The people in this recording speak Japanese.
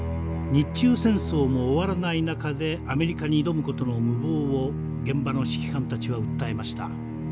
日中戦争も終わらない中でアメリカに挑むことの無謀を現場の指揮官たちは訴えました。